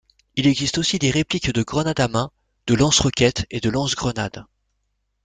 Il existe aussi des répliques de grenades à main, de lance-roquettes, de lance-grenades.